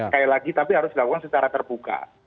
kayak lagi tapi harus dilakukan secara terbuka